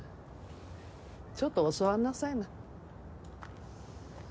ちょっとお座んなさいな。